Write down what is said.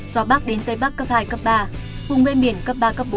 gió bắc đến tây bắc cấp hai cấp ba vùng ven biển cấp ba cấp bốn